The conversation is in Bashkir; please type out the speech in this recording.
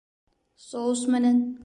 Соус менән